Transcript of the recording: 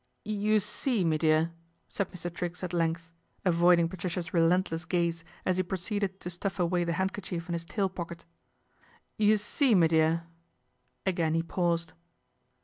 ' You see, me dear," said Mr. Triggs at length, ivoiding Patricia's relentless gaze, as he proceeded :o stuff away the handkerchief in his tail pocket. 1 You see, me dear " Again he paused.